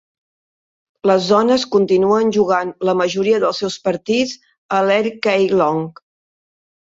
Les dones continuen jugant la majoria dels seus partits a l'Earl K. Long.